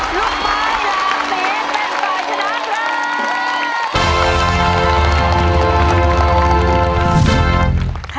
ลูกไม้หลากสีเป็นตอนชนะครับ